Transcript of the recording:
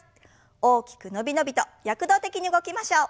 大きく伸び伸びと躍動的に動きましょう。